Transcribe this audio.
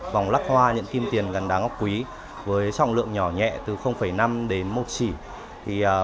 vòng lắc hoa nhận kim tiền gắn đáng quý với trọng lượng nhỏ nhẹ từ năm đến một chỉ